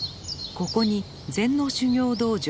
ここに禅の修行道場